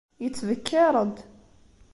Yettbekkiṛ-d.